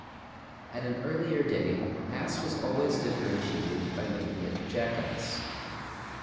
At an earlier day /ass/ was always differentiated by making it /jackass